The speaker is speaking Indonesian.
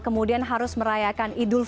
kemudian harus merayakan